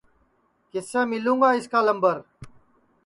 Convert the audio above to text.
کِسے مِلوں گا اِس کا لمبر